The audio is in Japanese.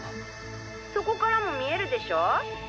そこからも見えるでしょ？